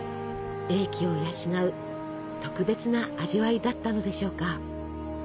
鋭気を養う特別な味わいだったのでしょうか。